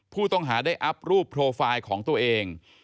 ผู้ต้องหาได้อัพรูปโปรไฟล์ของตัวเอง